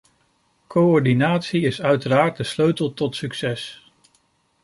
Coördinatie is uiteraard de sleutel tot succes.